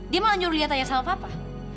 dia malah nyuruh liat tanya sama papa